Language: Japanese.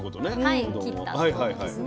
はい切ったということですね。